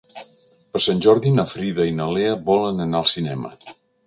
Per Sant Jordi na Frida i na Lea volen anar al cinema.